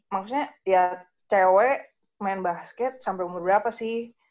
maksudnya ya cewek main basket sampai umur berapa sih